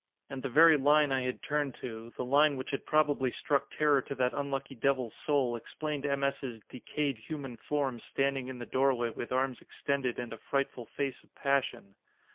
And the very line I had turned to, the line which had probably struck terror to that unlucky devil's soul, explained M. S.'s "decayed human form, standing in the doorway with arms extended and a frightful face of passion!"